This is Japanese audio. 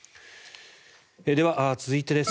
では、続いてです。